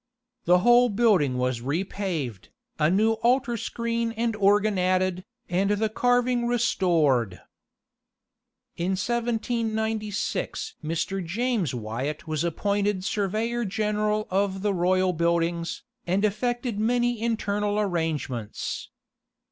The whole building was repaved, a new altar screen and organ added, and the carving restored. In 1796 Mr. James Wyatt was appointed surveyor general of the royal buildings, and effected many internal arrangements.